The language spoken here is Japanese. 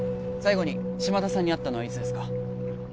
最後に島田さんに会ったのはいつですか？